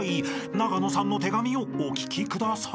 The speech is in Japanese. ［長野さんの『手紙』をお聴きください］